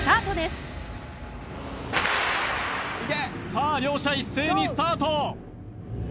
さあ両者一斉にスタート